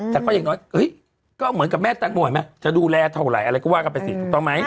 แต่ก็อย่างน้อยก็เหมือนกับแม่แตงโมเห็นไหมจะดูแลเท่าไหร่อะไรก็ว่ากันไปสิถูกต้องไหม